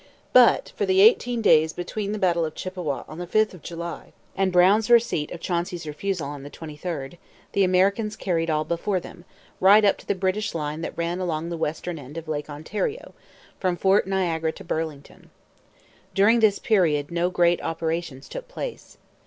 But, for the eighteen days between the battle of Chippawa on the 5th of July and Brown's receipt of Chauncey's refusal on the 23rd, the Americans carried all before them, right up to the British line that ran along the western end of Lake Ontario, from Fort Niagara to Burlington. During this period no great operations took place.